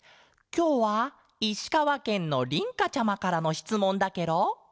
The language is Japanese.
きょうはいしかわけんのりんかちゃまからのしつもんだケロ。